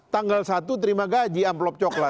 tanggal satu terima gaji amplop coklat